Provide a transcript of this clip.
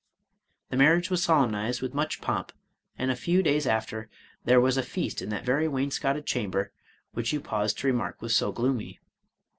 The marriage was solemnized with much pomp, and a few days after there was a feast in that very wainscoted chamber which you paused to remark was so gloomy.